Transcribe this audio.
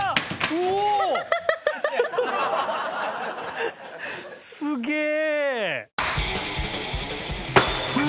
すげえ！